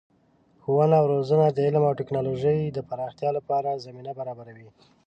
ښوونه او روزنه د علم او تکنالوژۍ د پراختیا لپاره زمینه برابروي.